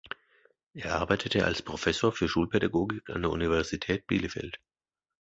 Er arbeitete als Professor für Schulpädagogik an der Universität Bielefeld.